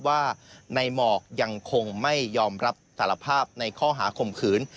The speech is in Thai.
ว่าในหมอกยังคงไม่ยอมรับสารภาพในข้อหาข่มขืน